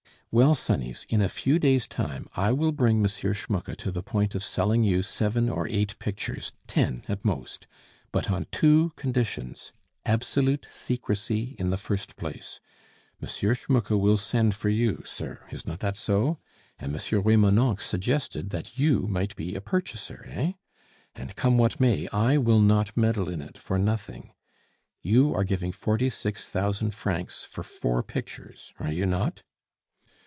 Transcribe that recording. "Well, sonnies, in a few days' time I will bring M. Schmucke to the point of selling you seven or eight pictures, ten at most. But on two conditions. Absolute secrecy in the first place. M. Schmucke will send for you, sir, is not that so? And M. Remonencq suggested that you might be a purchaser, eh? And, come what may, I will not meddle in it for nothing. You are giving forty six thousand francs for four pictures, are you not?"